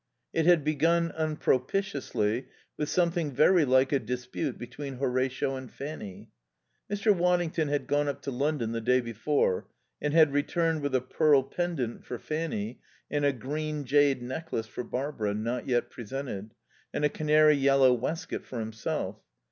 It had begun, unpropitiously, with something very like a dispute between Horatio and Fanny. Mr. Waddington had gone up to London the day before, and had returned with a pearl pendant for Fanny, and a green jade necklace for Barbara (not yet presented) and a canary yellow waistcoat for himself.